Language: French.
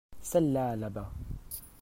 celle-là là-bas.